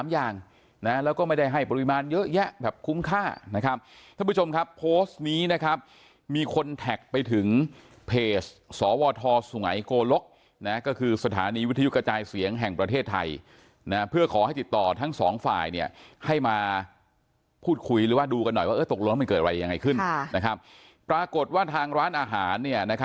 อย่างนะแล้วก็ไม่ได้ให้ปริมาณเยอะแยะแบบคุ้มค่านะครับท่านผู้ชมครับโพสต์นี้นะครับมีคนแท็กไปถึงเพจสวทสุงัยโกลกนะก็คือสถานีวิทยุกระจายเสียงแห่งประเทศไทยนะเพื่อขอให้ติดต่อทั้งสองฝ่ายเนี่ยให้มาพูดคุยหรือว่าดูกันหน่อยว่าเออตกลงแล้วมันเกิดอะไรยังไงขึ้นนะครับปรากฏว่าทางร้านอาหารเนี่ยนะครับ